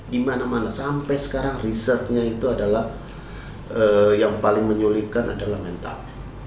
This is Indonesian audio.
dimana mana sampai sekarang risetnya itu adalah yang paling menyulikan adalah mental